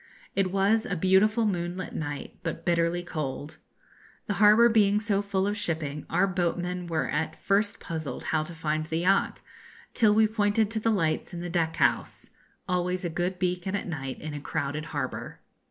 It was a beautiful moonlight night, but bitterly cold. The harbour being so full of shipping, our boatmen were at first puzzled how to find the yacht, till we pointed to the lights in the deck house always a good beacon at night in a crowded harbour.